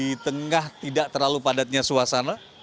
di tengah tidak terlalu padatnya suasana